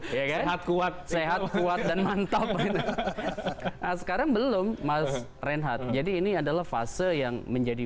sehat kuat sehat kuat dan mantap gitu nah sekarang belum mas reinhardt jadi ini adalah fase yang menjadi